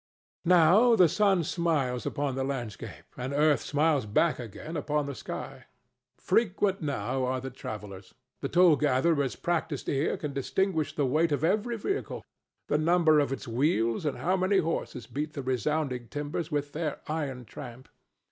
Now the sun smiles upon the landscape and earth smiles back again upon the sky. Frequent now are the travellers. The toll gatherer's practised ear can distinguish the weight of every vehicle, the number of its wheels and how many horses beat the resounding timbers with their iron tramp.